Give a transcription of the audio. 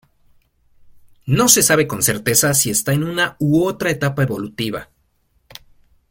No se sabe con certeza si está en una u otra etapa evolutiva.